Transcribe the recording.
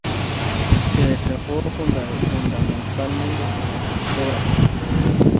Se destacó fundamentalmente como fotógrafo.